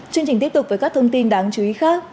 chương trình tiếp tục với các thông tin đáng chú ý khác